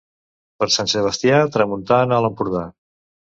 Per Sant Sebastià, tramuntana a l'Empordà.